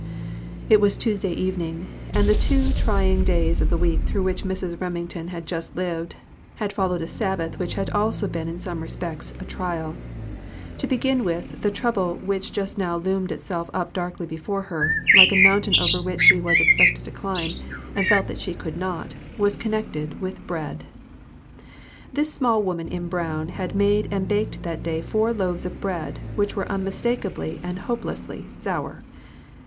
It was Tuesday evening, and the two trying days of the week through which Mrs. Remington had just lived, had followed a Sabbath which had also been in some respects a trial. To begin with, the trouble which just now loomed itself up darkly before her, like a mountain over which she was expected to climb, and felt that she could not, was connected with bread. This small woman in brown had made and baked that day four loaves of bread which were unmistakably and hopelessly sour.